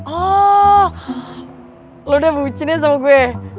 oh lo udah bucin ya sama gue